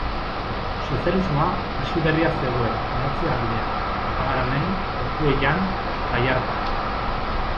Sozialismoa hasi berria zegoen meatze-aldean, Trapagaranen, Ortuellan, Gallartan.